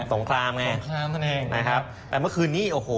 สงครามไงนะครับแต่เมื่อคืนนี้โอ้โฮ